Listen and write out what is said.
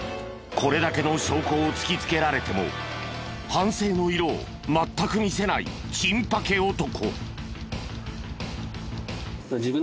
これだけの証拠を突きつけられても反省の色を全く見せないチンパケ男。